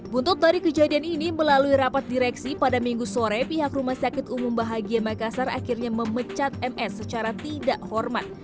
buntut dari kejadian ini melalui rapat direksi pada minggu sore pihak rumah sakit umum bahagia makassar akhirnya memecat ms secara tidak hormat